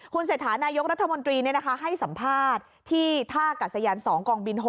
เศรษฐานายกรัฐมนตรีให้สัมภาษณ์ที่ท่ากัศยาน๒กองบิน๖